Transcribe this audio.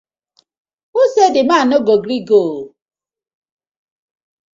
Wosai di man no go gree go ooo.